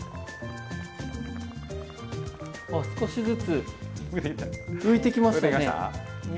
あっ少しずつ浮いてきましたね。